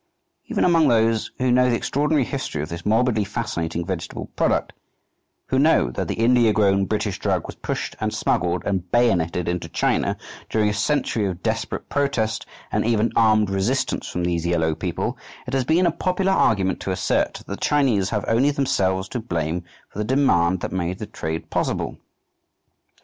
Even among those who know the extraordinary history of this morbidly fascinating vegetable product, who know that the India grown British drug was pushed and smuggled and bayoneted into China during a century of desperate protest and even armed resistance from these yellow people, it has been a popular argument to assert that the Chinese have only themselves to blame for the "demand" that made the trade possible.